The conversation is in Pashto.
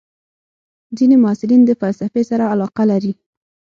ځینې محصلین د فلسفې سره علاقه لري.